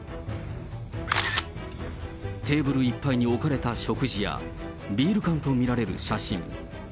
テーブルいっぱいに置かれた食事や、ビール缶と見られる写真。